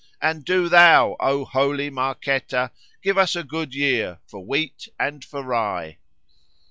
And do thou, O holy Marketa, Give us a good year For wheat and for rye."